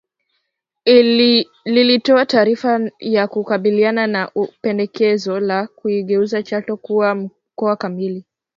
lilitoa taarifa ya kukubaliana na pendekezo la kuigeuza Chato kuwa mkoa kamili